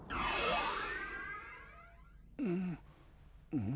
うん。